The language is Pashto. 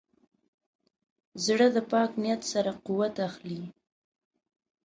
زړه د پاک نیت سره قوت اخلي.